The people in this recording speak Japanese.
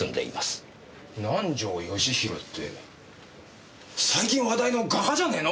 南条義弘って最近話題の画家じゃねえの！？